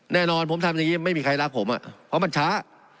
แน่นอนผมทำอย่างนี้ไม่มีใครรักผมเพราะมันช้า